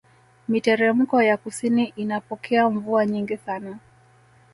Miteremko ya kusini inapokea mvua nyingi sana